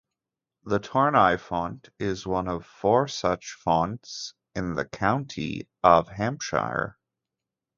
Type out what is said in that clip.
The Tournai font is one four such fonts in the county of Hampshire.